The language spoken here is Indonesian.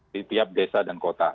di tiap desa dan kota